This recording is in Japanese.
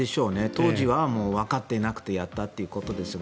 当時はもうわかっていなくてやったということですが。